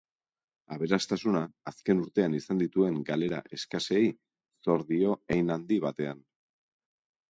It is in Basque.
Aberastasuna, azken urtean izan dituen galera eskasei zor dio hein handi batean.